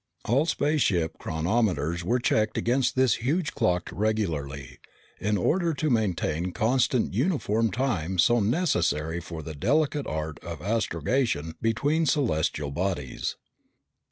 All spaceship chronometers were checked against this huge clock regularly, in order to maintain constant uniform time so necessary for the delicate art of astrogation between celestial bodies.